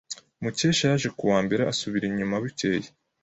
Mukesha yaje ku wa mbere asubira inyuma bukeye.